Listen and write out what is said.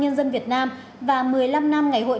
nhân dân việt nam và một mươi năm năm ngày hội